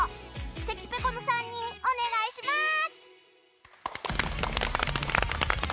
関ぺこの３人、お願いします！